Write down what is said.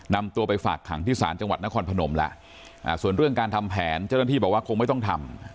นำตัวไปฝากขังที่ศาลจังหวัดนครพนมแล้วส่วนเรื่องการทำแผนเจ้าหน้าที่บอกว่าคงไม่ต้องทำ